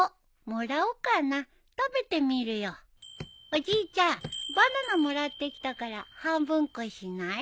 おじいちゃんバナナもらってきたから半分こしない？